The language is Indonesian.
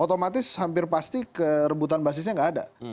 otomatis hampir pasti ke rebutan basisnya nggak ada